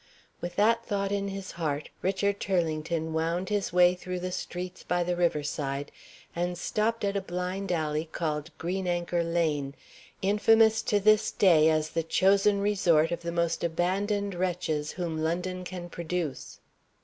With that thought in his heart, Richard Turlington wound his way through the streets by the river side, and stopped at a blind alley called Green Anchor Lane, infamous to this day as the chosen resort of the most abandoned wretches whom London can produce.